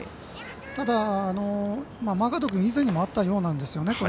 ただ、マーガード君以前にもあったようなんですよね。